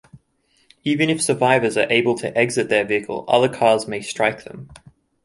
Even if survivors are able to exit their vehicles, other cars may strike them.